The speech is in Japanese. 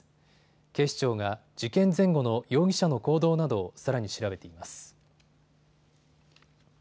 警視庁が事件前後の容疑者の行動などをさらに調べています。